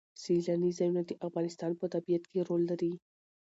سیلاني ځایونه د افغانستان په طبیعت کې رول لري.